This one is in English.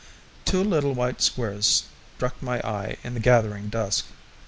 Two little white squares struck my eye in the gathering dusk.